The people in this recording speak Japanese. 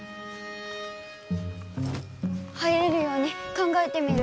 入れるように考えてみる。